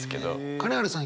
金原さん